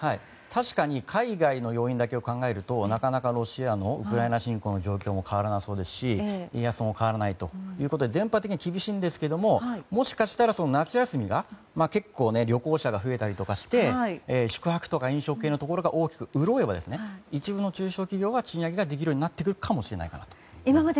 確かに海外の要因だけを考えるとなかなかロシアのウクライナ侵攻の状況も変わらなそうですし円安も変わらないということで全般的に厳しいんですけどもしかしたら夏休みが旅行者が増えたりとかして宿泊とか飲食系のところが大きく潤えば一部の中小企業は賃上げができるようになってくるかもしれないと思います。